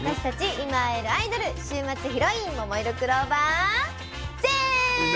今会えるアイドル週末ヒロインももいろクローバーＺ！の高城れにです。